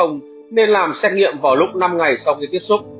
nên làm xét nghiệm vào lúc năm ngày sau khi tiếp xúc